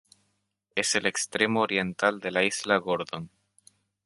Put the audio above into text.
Es el extremo oriental de la isla Gordon.